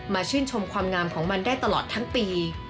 ชื่นชมความงามของมันได้ตลอดทั้งปี